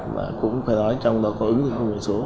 và cũng phải nói trong đó có ứng dụng công nghệ số